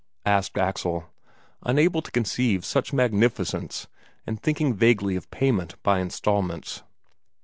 asked Axel, unable to conceive such magnificence, and thinking vaguely of payment by instalments.